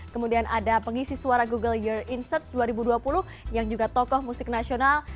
kemudian ada pengisi suara google year in search dua ribu dua puluh yang juga tokoh musik nasional